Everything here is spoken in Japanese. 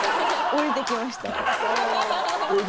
降りてきました。